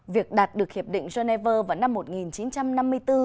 việc đạt được hiệp định geneva vào năm một nghìn chín trăm năm mươi bốn